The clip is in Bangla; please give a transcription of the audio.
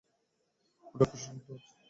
অনেক কষ্টে শুনতে হচ্ছে।